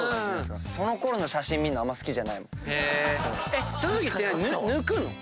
そのころの写真見んのあんま好きじゃないもん。